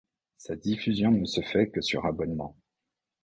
Sa diffusion ne se fait que sur abonnement.